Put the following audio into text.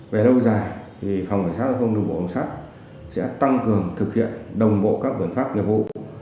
về lâu dài thì phòng cảnh sát đồng bộ cảnh sát sẽ tăng cường thực hiện đồng bộ các vấn pháp nhập vụ